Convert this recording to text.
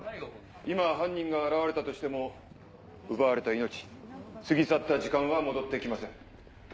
今犯人が現れたとしても奪われた命過ぎ去った時間は戻って来ません。